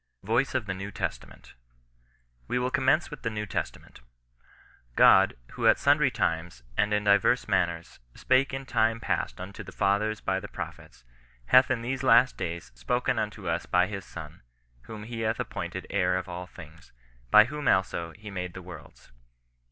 VOICE OP THE NEW TESTAMENT. We will commence with the New Testament. " God, who at sundry times, and in divers manners, spake in time past unto the fathers by the prophets, hath in these last days spoken unto us by his Son, whom he hath ap pointed heir of all things, by whom also he made the worlds."